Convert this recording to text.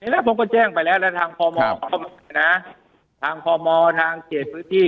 แล้วผมก็แจ้งไปแล้วแล้วทางพมทางพมทางเขตพื้นที่